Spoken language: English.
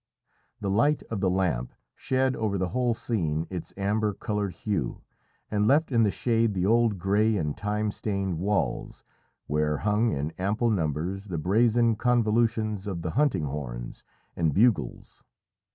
The light of the lamp shed over the whole scene its amber coloured hue and left in the shade the old grey and time stained walls, where hung in ample numbers the brazen convolutions of the hunting horns and bugles.